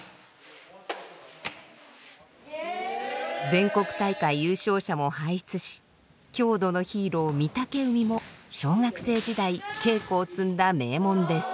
全国大会優勝者も輩出し郷土のヒーロー御嶽海も小学生時代稽古を積んだ名門です。